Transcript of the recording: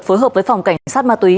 phối hợp với phòng cảnh sát ma túy